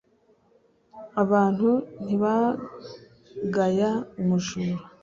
Abantu ntibagaya umujura